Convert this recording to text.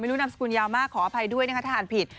ไม่รู้นำสกุลยาวมากขออภัยด้วยนะครับทหารผิด